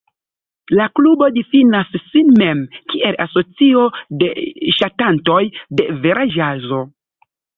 La klubo difinas sin mem kiel "asocio de ŝatantoj de vera ĵazo".